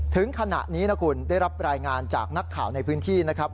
ถึงขณะนี้นะคุณได้รับรายงานจากนักข่าวในพื้นที่นะครับ